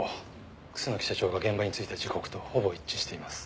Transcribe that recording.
楠木社長が現場に着いた時刻とほぼ一致しています。